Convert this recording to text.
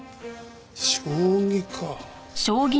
将棋か。